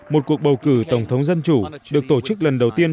một cuộc bầu cử tổng thống dân chủ được tổ chức lần đầu tiên